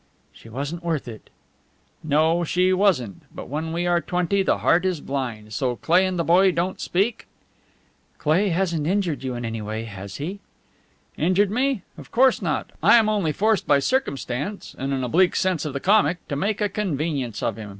"She wasn't worth it!" "No, she wasn't. But when we are twenty the heart is blind. So Cleigh and the boy don't speak?" "Cleigh hasn't injured you in any way, has he?" "Injured me? Of course not! I am only forced by circumstance and an oblique sense of the comic to make a convenience of him.